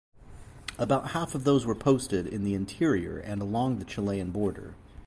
About half of those were posted in the interior and along the Chilean border.